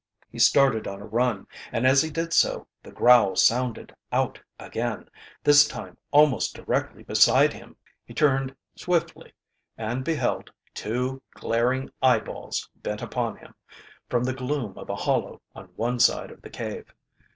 He started on a run, and as he did so the growl sounded out again, this time almost directly beside him. He turned swiftly and beheld two glaring eyeballs bent upon him, from the gloom of a hollow on one side of the cave.